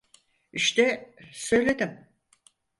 İşte, söyledim.